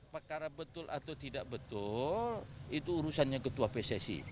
perkara betul atau tidak betul itu urusannya ketua pssi